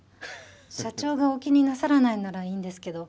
社長がお気になさらないんならいいんですけど。